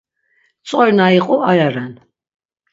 Tzori na iqu aya ren.